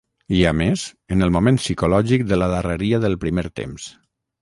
I, a més, en el moment psicològic de la darreria del primer temps.